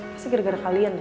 pasti gara gara kalian